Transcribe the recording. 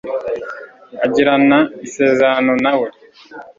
agirana isezerano na we